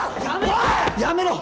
やめろ！